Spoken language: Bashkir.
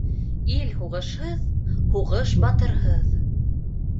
Ил һуғышһыҙ, һуғыш батырһыҙ